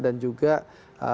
dan juga pindahkan ke masyarakat